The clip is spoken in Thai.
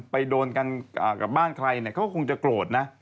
ไปโดนกับบ้านใครเนี่ยเขาก็คงจะโกรธนะ